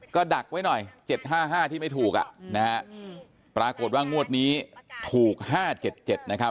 ก็ดักไว้หน่อย๗๕๕ที่ไม่ถูกปรากฏว่างงวดนี้ถูก๕๗๗